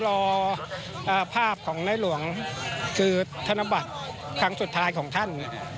รอภาพของในหลวงคือธนบัตรครั้งสุดท้ายของท่าน